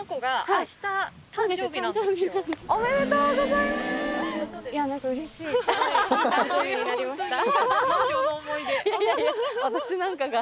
いやいや私なんかが。